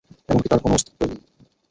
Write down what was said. এমনকি তোর কোনো অস্তিত্বই নেই।